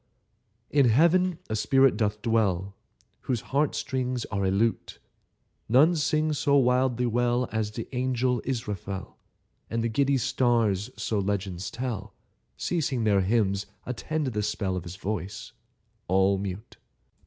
] IN Heaven a spirit doth dwell Whose heart strings are a lute; None sing so wildly well As the angel Israfel, And the giddy stars (so legends tell), Ceasing their hymns, attend the spell Of his voice, all mute.